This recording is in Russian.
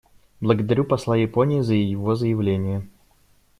Благодарю посла Японии за его заявление.